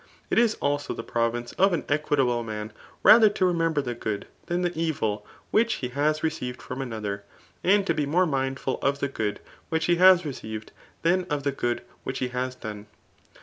It is also the province of an equitable man rather to remember the good than the evil which he has re ceived from another ; and to be more mindful of the good which he has received, than of the good which he has done.